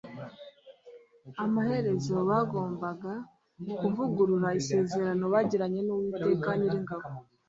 amaherezo bagombag kuvugurura isezerano bagiranye nUwiteka Nyiringabo